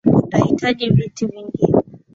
Tunahitaji viti vingine